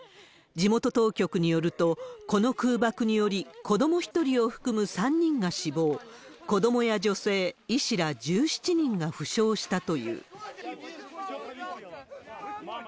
地元当局によると、この空爆により子ども１人を含む３人が死亡、子どもや女性、医師ら１７人が負傷したという。